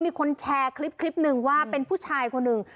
มีคนแชร์คลิปหนึ่งว่าเป็นผู้ชายคนหนึ่ง